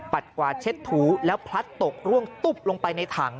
กวาดเช็ดถูแล้วพลัดตกร่วงตุ๊บลงไปในถัง